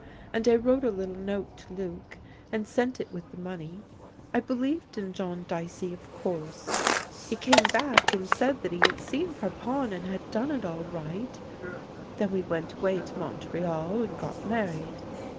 And I wrote a little note to Luc, and sent it with the money. I be lieved in John Dicey, of course. He came back, and said that he had seen Parpon and had done it all right ; then we went away to Montreal and got married.